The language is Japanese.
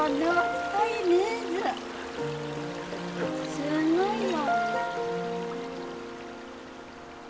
すごいよ。